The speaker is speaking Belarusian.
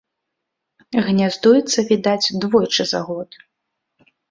Гняздуецца, відаць, двойчы за год.